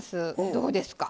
どうですか？